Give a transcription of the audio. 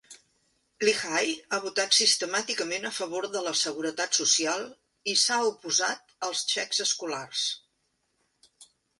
Leahy ha votat sistemàticament a favor de la Seguretat Social i s'ha oposat als xecs escolars.